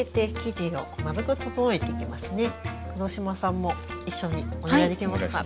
黒島さんも一緒にお願いできますか？